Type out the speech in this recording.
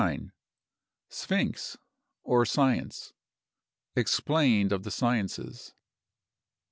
XXVIII.—SPHINX, OR SCIENCE. EXPLAINED OF THE SCIENCES.